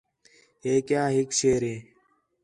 ہِے کیا ہِک شیر ہِے